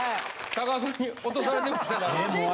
高田さんに落とされてましたね。